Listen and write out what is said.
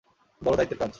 বড় দায়িত্বের কাজ!